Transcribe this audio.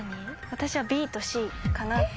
私はＢとＣかなと。